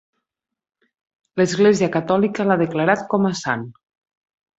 L'Església Catòlica l'ha declarat com a sant.